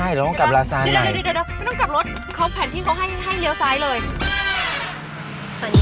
ไม่ต้องกลับรถเขาแผ่นที่เขาให้เรียวซ้ายเลย